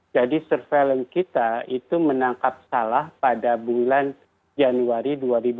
jadi surveillance kita itu menangkap salah pada bulan januari dua ribu dua puluh satu